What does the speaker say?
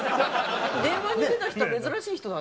電話に出た人は珍しい人だねなんか。